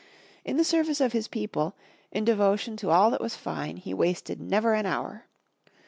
In the service of his people, in devotion to all that was fine, he wasted never an hour.